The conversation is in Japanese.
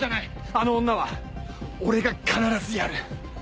あの女は俺が必ず殺る！